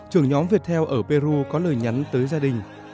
trưởng nhóm viettel ở peru có lời nhắn tới gia đình